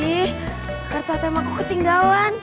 ih kartu atm aku ketinggalan